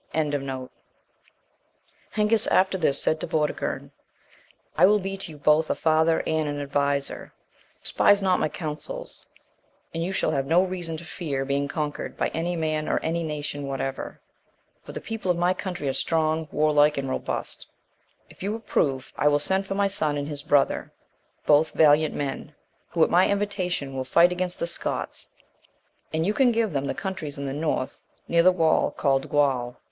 38. Hengist, after this, said to Vortigern, "I will be to you both a father and an adviser; despise not my counsels, and you shall have no reason to fear being conquered by any man or any nation whatever; for the people of my country are strong, warlike, and robust: if you approve, I will send for my son and his brother, both valiant men, who at my invitation will fight against the Scots, and you can give them the countries in the north, near the wall called Gual."